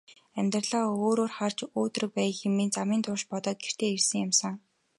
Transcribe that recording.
Амьдралаа өөрөөр харж өөдрөг байя хэмээн замын турш бодоод гэртээ ирсэн юм.